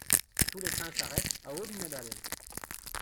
Tous les trains s'arrêtent à Audnedal.